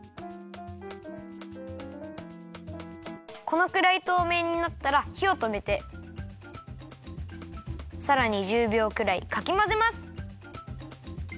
このくらいとうめいになったらひをとめてさらに１０びょうくらいかきまぜます。